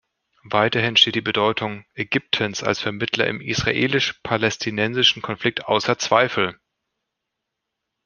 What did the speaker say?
Weiterhin steht die Bedeutung Ägyptens als Vermittler im israelisch-palästinensischen Konflikt außer Zweifel.